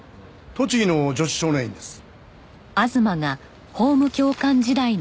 栃木の女子少年院です。